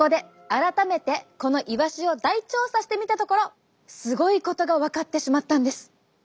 改めてこのイワシを大調査してみたところすごいことが分かってしまったんです。